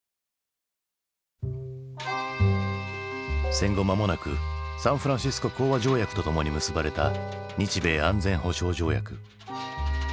戦後間もなくサンフランシスコ講和条約とともに結ばれた日米安全保障条約。